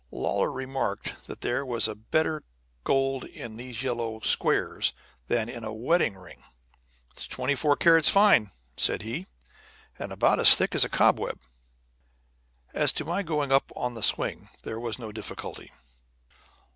Lawlor remarked that there was better gold in these little yellow squares than in a wedding ring. "It's twenty four carats fine," said he, "and about as thick as a cobweb." As to my going up on the swing there was no difficulty.